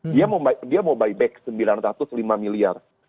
dia mau buy back sembilan ratus lima miliar